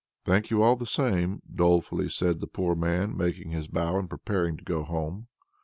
"Thank you all the same," dolefully said the poor man, making his bow and preparing to go home.